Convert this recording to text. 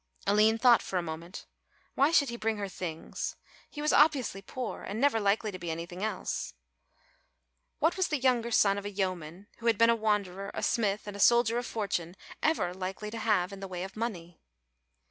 Aline thought for a moment; why should he bring her things, he was obviously poor and never likely to be anything else? What was the younger son of a yeoman who had been a wanderer, a smith and a soldier of fortune ever likely to have in the way of money?